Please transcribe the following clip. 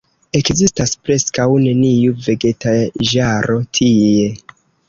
Ekzistas preskaŭ neniu vegetaĵaro tie.